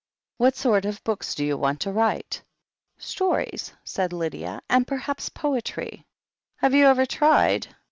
"What sort of books do you want to write?" "Stories," said Lydia, "and perhaps poetry." "Have you ever tried?"